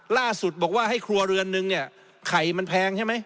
ล่าสุดบอกว่าให้ครัวเรือนนึงเนี่ยไข่มันแพงใช่ไหม